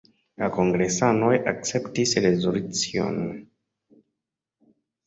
La kongresanoj akceptis rezolucion.